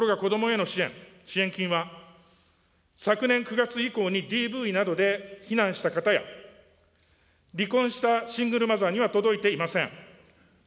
ところが子どもへの支援、支援金は、昨年９月以降にＤＶなどで避難した方や、離婚したシングルマザーには届いていません。